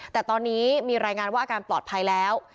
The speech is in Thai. แต่ตอนนี้มีรายงานว่าอาการปลอดภัยแล้ว